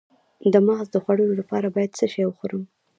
د مغز د خوړو لپاره باید څه شی وخورم؟